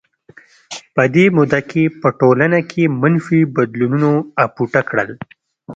په دې موده کې په ټولنه کې منفي بدلونونو اپوټه کړل.